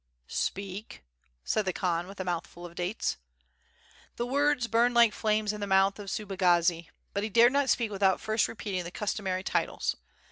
"Speak," said the Khan with a mouthful of dates. The words burned like flames in the mouth of Subagazi but he dared not speak without first repeating the customary titles.